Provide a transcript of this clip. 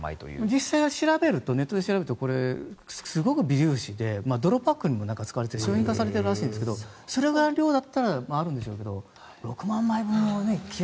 実際はネットで調べるとすごく微粒子で泥パックにも使われてて商品化しているらしいんですけどそれぐらいの量だったらあるんでしょうけど６万枚分はね。